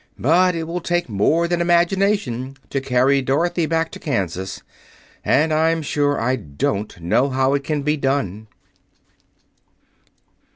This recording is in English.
But it will take more than imagination to carry Dorothy back to Kansas, and I'm sure I don't know how it can be done."